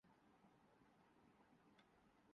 پھر سن ستر میں بھٹو صاھب کی افراتفریح کی وجہ سے